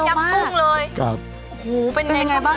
เป็นยังไงบ้างครับตอนนั้น